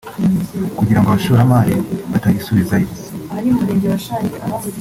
kugirango abashoramari batayisubizayo